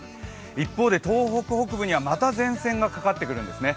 一方で、東北北部にはまた前線がかかってくるんですね。